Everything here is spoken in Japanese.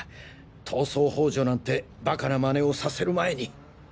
逃走幇助なんてバカな真似をさせる前に。